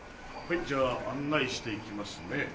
じゃあ案内していきますね。